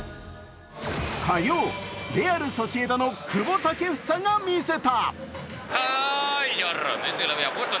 火曜、レアル・ソシエダの久保建英が見せた。